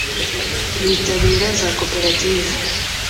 bitabira za koperative